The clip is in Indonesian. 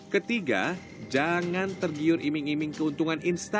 ketiga jangan tergiur iming iming keuntungan instagra